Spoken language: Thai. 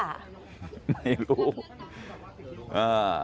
ไม่รู้